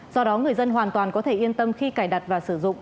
do đó người dân hoàn toàn có thể yên tâm khi cài đặt và sử dụng